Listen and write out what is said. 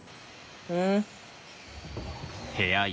うん？